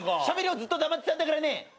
ずっと黙ってたんだからね。